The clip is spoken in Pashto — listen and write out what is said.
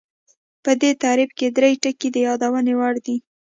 په دې تعریف کې درې ټکي د یادونې وړ دي